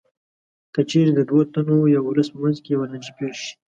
که چېرې د دوو تنو یا ولس په منځ کې یوه لانجه پېښه شي